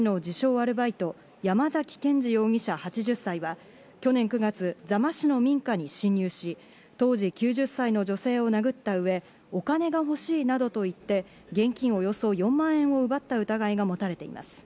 アルバイト・山崎謙次容疑者、８０歳は、去年９月、座間市の民家に侵入し、当時９０歳の女性を殴ったうえ、お金が欲しいなどと言って現金およそ４万円を奪った疑いがもたれています。